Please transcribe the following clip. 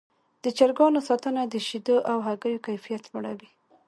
د چرګانو ساتنه د شیدو او هګیو کیفیت لوړوي.